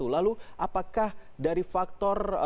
lalu apakah dari faktor